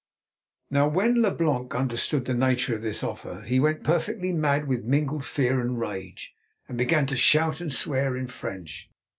Now, when Leblanc understood the nature of this offer he went perfectly mad with mingled fear and rage, and began to shout and swear in French.